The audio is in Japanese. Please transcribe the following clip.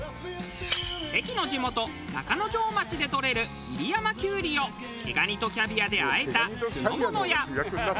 関の地元中之条町でとれる入山きゅうりを毛ガニとキャビアで和えた酢の物や。